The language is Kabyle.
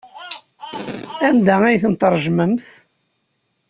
Anda ay tent-tṛejmemt?